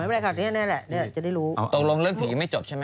ไม่เป็นไรครับเนี้ยแหละเนี้ยแหละจะได้รู้อ๋อตรงรวมเรื่องผีไม่จบใช่ไหม